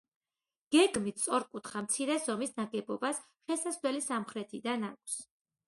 გეგმით სწორკუთხა, მცირე ზომის ნაგებობას შესასვლელი სამხრეთიდან აქვს.